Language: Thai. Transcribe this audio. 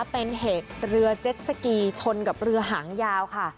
เป็นเหตุเรือเจ็ดสกีชนกับเรือหางยาวค่ะ